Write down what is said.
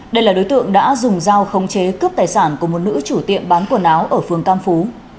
đây là đối tượng đã dùng dao không chế cướp tài sản của một nữ chủ tiệm bán quần áo ở phường cam phú